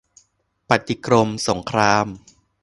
ปฏิกรรมสงคราม